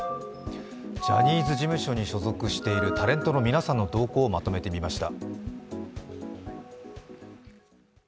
ジャニーズ事務所に所属しているタレントの皆さんの動向をまとめてみました。